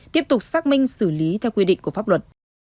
tiếp tục xác minh xử lý theo quy định của pháp luật